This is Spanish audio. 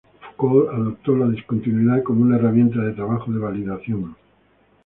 Foucault adoptó la discontinuidad como una herramienta de trabajo de validación.